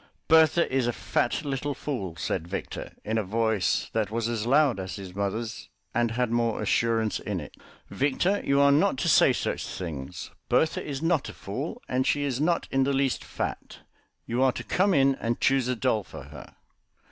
"Bertha is a fat little fool," said Victor, in a voice that was as loud as his mother's and had more assurance in it. "Victor, you are not to say such things. Bertha is not a fool, and she is not in the least fat. You are to come in and choose a doll for her."